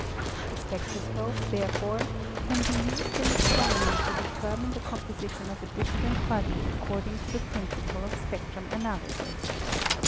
The spectroscope, therefore, can be used in astronomy to determine the composition of a distant body according to the principles of spectrum analysis.